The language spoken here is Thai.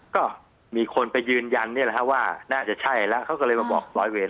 ก็มีคนไปยืนยันนี่แหละฮะว่าน่าจะใช่แล้วเขาก็เลยมาบอกร้อยเวร